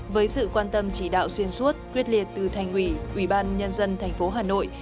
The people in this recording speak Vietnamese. với sự quan tâm chỉ đạo xuyên suốt quyết liệt từ thành ủy ủy ban nhân dân thành phố hà nội